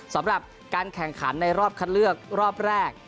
สำหรับการแข่งขันในรอบคัดเลือกรอบแรก